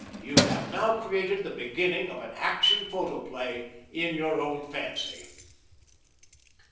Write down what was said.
You have now created the beginning of an Action Photoplay in your own fancy.